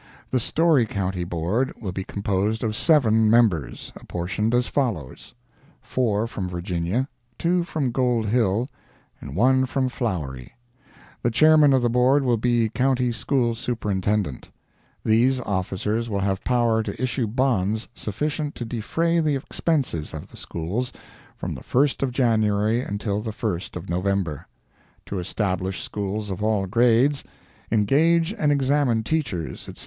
The Storey county Board will be composed of seven members, apportioned as follows: Four from Virginia, two from Gold Hill, and one from Flowery. The Chairman of the Board will be County School Superintendent. These officers will have power to issue bonds sufficient to defray the expenses of the schools, from the 1st of January until the 1st of November; to establish schools of all grades, engage and examine teachers, etc.